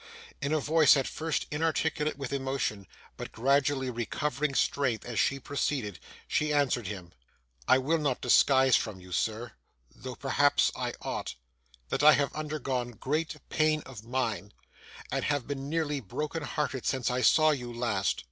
In a voice at first inarticulate with emotion, but gradually recovering strength as she proceeded, she answered him: 'I will not disguise from you, sir though perhaps I ought that I have undergone great pain of mind, and have been nearly broken hearted since I saw you last.